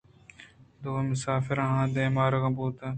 دوئیں مُسافر آئی ءِ دیما آرگ بُوتنت